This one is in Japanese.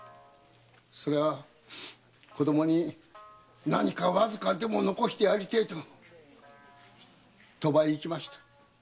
そりゃあ子供に何かわずかでも残してやりたいと賭場へ行きました。